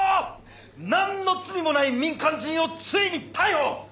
なんの罪もない民間人をついに逮捕！